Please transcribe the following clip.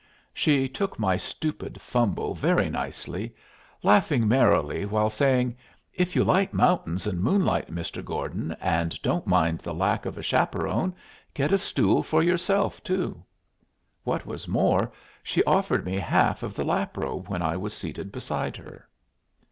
She took my stupid fumble very nicely; laughing merrily while saying, "If you like mountains and moonlight, Mr. Gordon, and don't mind the lack of a chaperon, get a stool for yourself, too." What was more, she offered me half of the lap robe when I was seated beside her.